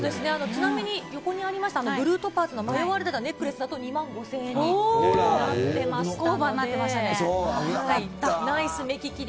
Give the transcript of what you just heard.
ちなみに横にありましたブルートパーズの迷われてたネックレスだと２万５０００円になってましたので。